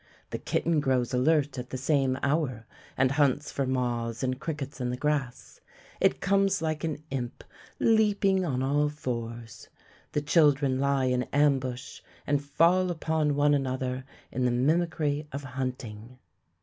The kitten grows alert at the same hour, and hunts for moths and crickets in the grass. It comes like an imp, leaping on all fours. The children lie in ambush and fall upon one another in the mimicry of hunting.